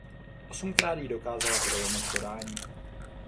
Osmkrát ji dokázala prolomit podání.